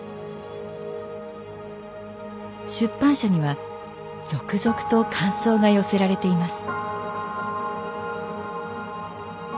出版社には続々と感想が寄せられています。